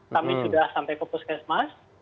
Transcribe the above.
kami sudah sampai ke puskesmas